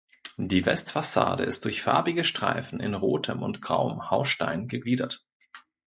Die Westfassade ist durch farbige Streifen in rotem und grauem Haustein gegliedert.